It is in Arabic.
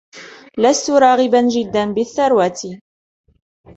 لستُ راغبًا جدا بالثروة.